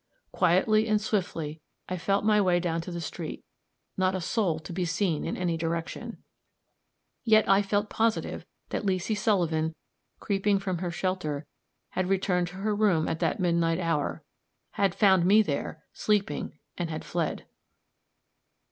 Quietly and swiftly I felt my way down to the street; not a soul to be seen in any direction. Yet I felt positive that Leesy Sullivan, creeping from her shelter, had returned to her room at that midnight hour, had found me there, sleeping, and had fled.